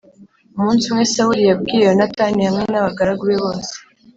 Umunsi umwe Sawuli yabwiye Yonatani hamwe n abagaragu be bose